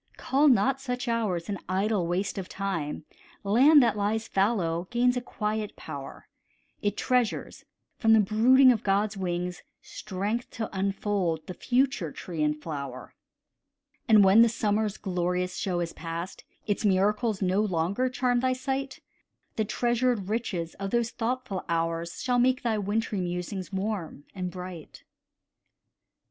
Call not such hours an idle waste of time, Land that lies fallow gains a quiet power; It treasures, from the brooding of God's wings, Strength to unfold the future tree and flower. And when the summer's glorious show is past, Its miracles no longer charm thy sight, The treasured riches of those thoughtful hours Shall make thy wintry musings warm and bright.